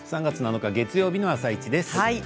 ３月７日月曜日の「あさイチ」です。